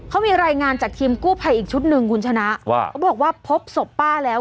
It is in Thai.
เขามีรายงานจากทีมกู้ภัยอีกชุดหนึ่งคุณชนะว่าเขาบอกว่าพบศพป้าแล้ว